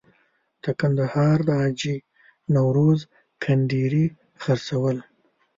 د کندهار د حاجي نوروز کنډیري خرڅول.